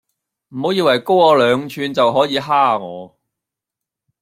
唔好以為高我兩吋就可以蝦我